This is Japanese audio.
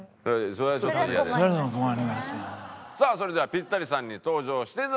さあそれではピッタリさんに登場していただきましょう。